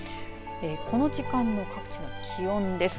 この時間の各地の気温です。